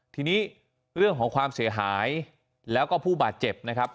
ทีนี้เรื่องของความเสียหายแล้วก็ผู้บาดเจ็บนะครับ